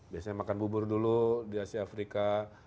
biasanya makan bubur dulu di asia afrika